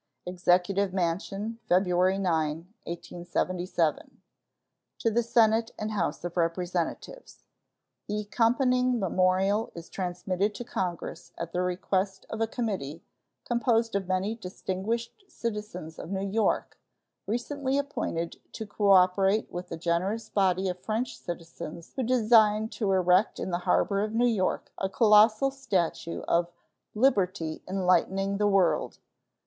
EXECUTIVE MANSION, February 9, 1877. To the Senate and House of Representatives: The accompanying memorial is transmitted to Congress at the request of a committee, composed of many distinguished citizens of New York, recently appointed to cooperate with a generous body of French citizens who design to erect in the harbor of New York a colossal statue of "Liberty Enlightening the World."